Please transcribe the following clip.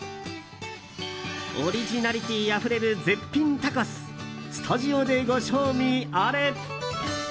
オリジナリティーあふれる絶品タコススタジオでご賞味あれ。